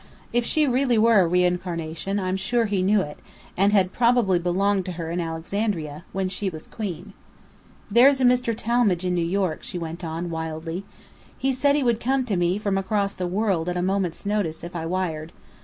If she really were a reincarnation, I'm sure he knew it: and had probably belonged to her in Alexandria, when she was Queen. "There's a Mr. Talmadge in New York," she went on, wildly. "He said he would come to me from across the world, at a moment's notice, if I wired.